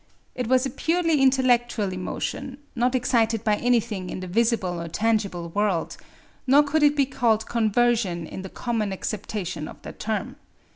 It was a purely intellectual emotion, not excited by anything in the visible or tangible world; nor could it be called conversion in the common acceptation of that term.